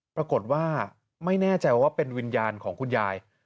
ปรากฏว่าไม่แน่ใจว่าเป็นวิญญาณของคุณยาย